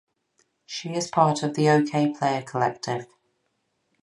She is part of the Okayplayer collective.